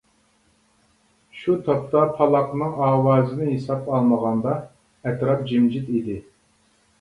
شۇ تاپتا پالاقنىڭ ئاۋازىنى ھېسابقا ئالمىغاندا، ئەتراپ جىمجىت ئىدى.